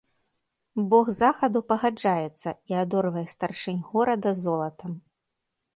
Бог захаду пагаджаецца і адорвае старшынь горада золатам.